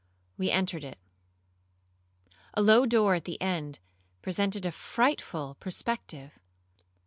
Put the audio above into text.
We entered it. A low door at the end presented a frightful perspective.